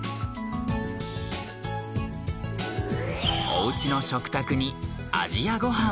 おうちの食卓に「アジアごはん」。